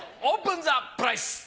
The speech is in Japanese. オープンザプライス。